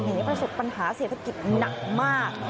ประสบปัญหาเศรษฐกิจหนักมาก